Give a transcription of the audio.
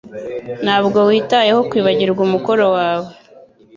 Ntabwo witayeho kwibagirwa umukoro wawe.